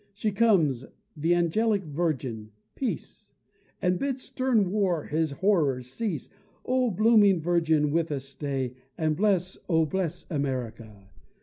She comes! the angelic virgin Peace, And bids stern War his horrors cease; Oh! blooming virgin, with us stay, And bless, oh! bless America.